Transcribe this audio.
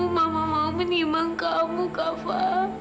mama mau menimang kamu kava